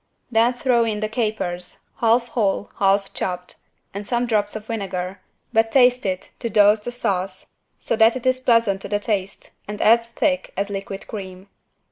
Then throw in it the capers, half whole, half chopped, and some drops of vinegar, but taste it to dose the sauce so that it is pleasant to the taste and as thick as liquid cream.